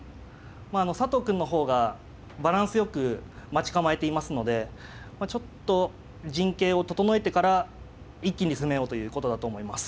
まああの佐藤くんの方がバランスよく待ち構えていますのでちょっと陣形を整えてから一気に攻めようということだと思います。